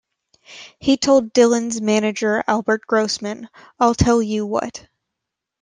He told Dylan's manager, Albert Grossman, I'll tell you what.